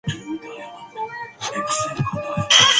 然後可以在海上漂著寫程式